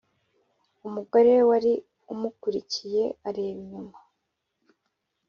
Umugore we wari umukurikiye areba inyuma